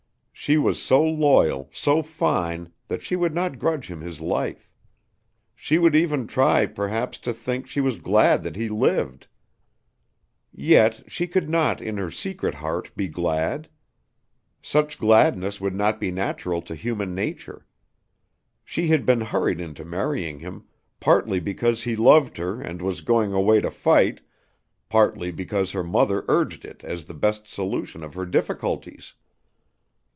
She was so loyal, so fine, that she would not grudge him his life. She would even try, perhaps, to think she was glad that he lived. Yet she could not in her secret heart, be glad. Such gladness would not be natural to human nature. She had been hurried into marrying him, partly because he loved her and was going away to fight, partly because her mother urged it as the best solution of her difficulties.